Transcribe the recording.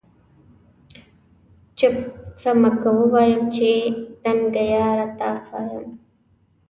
چپ سمه که ووایم چي دنګه یاره تا ښایم؟